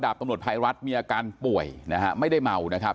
ตำรวจภัยรัฐมีอาการป่วยนะฮะไม่ได้เมานะครับ